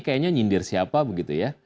kayaknya nyindir siapa begitu ya